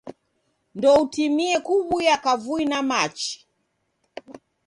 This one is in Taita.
Ndoutimie kuw'uya kavui na machi.